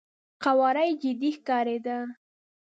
قواره يې جدي ښکارېده.